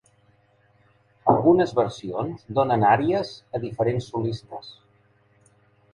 Algunes versions donen àries a diferents solistes.